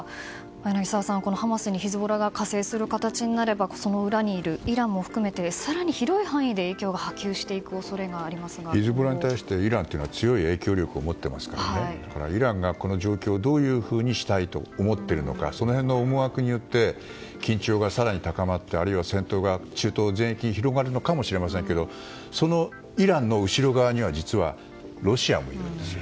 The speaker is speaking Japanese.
柳澤さん、ハマスにヒズボラが加勢する形になればその裏にいるイランも含めて更に広い範囲で影響がヒズボラに対してイランは強い影響力を持っていますからイランがこの状況をどういうふうにしたいと思っているのかその辺の思惑によって緊張が更に高まってあるいは戦闘が、中東全域に広がるのかもしれませんがそのイランの後ろ側には実は、ロシアもいるんですよ。